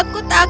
aku tidak bisa